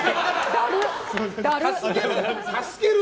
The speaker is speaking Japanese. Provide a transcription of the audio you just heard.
だる！